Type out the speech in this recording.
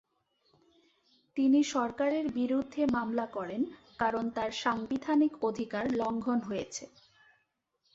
তিনি সরকারের বিরুদ্ধে মামলা করেন কারণ তার সাংবিধানিক অধিকার লঙ্ঘন হয়েছে।